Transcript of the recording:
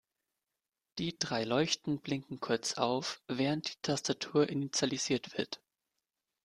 Die drei Leuchten blinken kurz auf, während die Tastatur initialisiert wird.